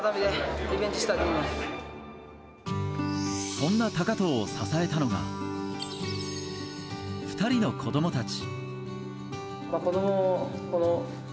そんな高藤を支えたのが２人の子供たち。